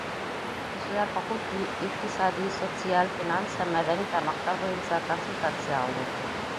Кешеләр хоҡуҡи, иҡтисади, социаль, финанс һәм мәҙәни тармаҡтар буйынса консультация алды.